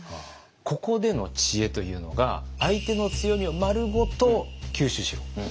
ここでの知恵というのが「相手の強みをまるごと吸収しろ」という知恵でした。